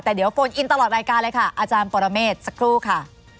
แต่เดี๋ยวโฟนอินตลอดรายการเลยค่ะอาจารย์ปรเมฆสักครู่ค่ะ